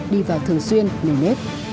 đi vào thường xuyên nền nếp